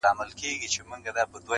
په توبو یې راولمه ستا تر ځایه.!